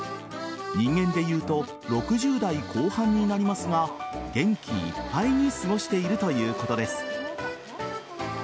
人間でいうと６０代後半になりますが元気いっぱいに過ごしているということです。